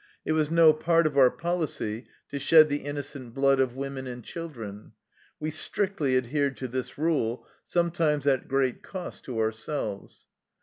It was no part of our policy to shed the innocent blood of women and children. We strictly adhered to this rule, sometimes at great cost to ourselves.